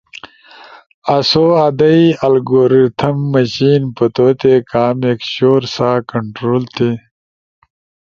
آسو ادئی الگوریتھم مشین پتوتے کامک شور سا کنٹرول تھئی۔